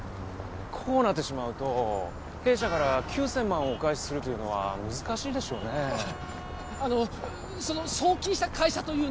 こうなってしまうと弊社から９千万をお返しするというのは難しいでしょうねあのその送金した会社というのは？